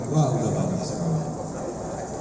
wah udah banyak sekali